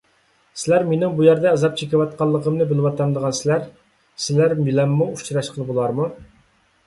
سىلەر مېنىڭ بۇ يەردە ئازاب چېكىۋاتقانلىقىمنى بىلىۋاتامدىغانسىلەر؟ سىلەر بىلەنمۇ ئۇچراشقىلى بولارمۇ؟